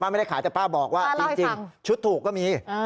ไม่ได้ขายแต่ป้าบอกว่าจริงชุดถูกก็มี